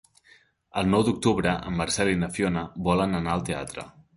El nou d'octubre en Marcel i na Fiona volen anar al teatre.